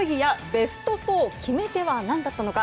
ベスト４の決め手は何だったのか。